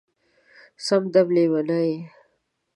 سم دم لېونی یې